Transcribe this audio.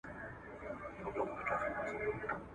له بدیو به تر مرګه خلاصېدلای !.